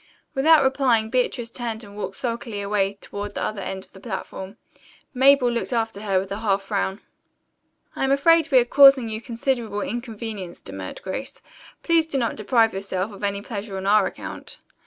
Without replying Beatrice turned and walked sulkily away toward the other end of the platform. Mabel looked after her with a half frown. "I am afraid we are causing you considerable inconvenience," demurred Grace. "Please do not deprive yourself of any pleasure on our account."